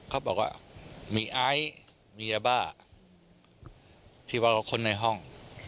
เขาบอกว่ามีไอซ์มียาบ้าที่ว่าเราค้นในห้อง